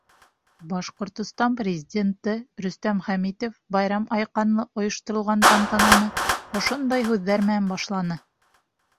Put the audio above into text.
Башҡортостан Президенты Рөстәм Хәмитов байрам айҡанлы ойошторолған тантананы ошондай һүҙҙәр менән башланы.